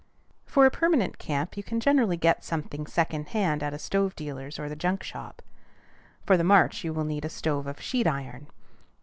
For a permanent camp you can generally get something second hand at a stove dealer's or the junk shop. For the march you will need a stove of sheet iron.